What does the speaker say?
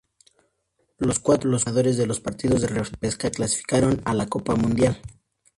Los cuatro ganadores de los partidos de repesca clasificaron a la Copa Mundial.